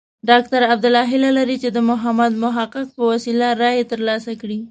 ډاکټر عبدالله هیله لري چې د محمد محقق په وسیله رایې ترلاسه کړي.